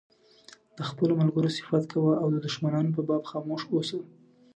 د خپلو ملګرو صفت کوه او د دښمنانو په باب خاموش اوسه.